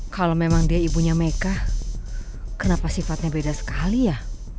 kalau memang dia ibunya mekah kenapa sifatnya beda sekali ya